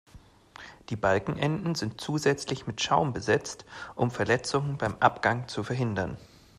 Die Balkenenden sind zusätzlich mit Schaum besetzt, um Verletzungen beim Abgang zu verhindern.